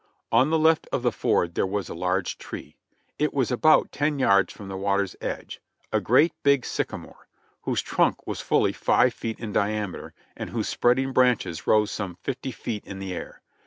On the left of the ford there was a large tree. It was about ten yards from the water's edge, a great big sycamore, whose trunk was fully five feet in diameter, and whose spreading branches rose some fifty feet in the air.